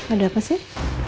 ada apa sih